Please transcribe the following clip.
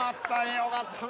よかったね。